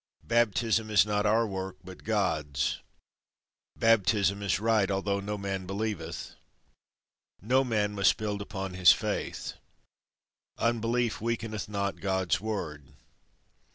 Baptism is not our work, but God's. Baptism is right, although no man believeth. No man must build upon his faith. Unbelief weakeneth not God's Word.